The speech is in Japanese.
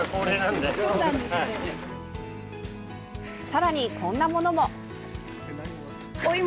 さらに、こんなものも。